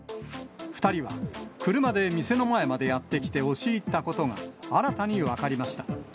２人は車で店の前までやって来て押し入ったことが、新たに分かりました。